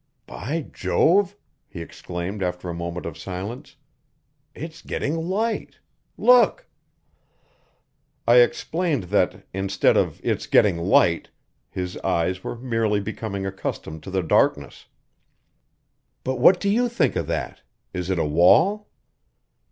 "By Jove," he exclaimed after a moment of silence, "it's getting light! Look!" I explained that, instead of "it's getting light," his eyes were merely becoming accustomed to the darkness. "But what do you think of that? Is it a wall?"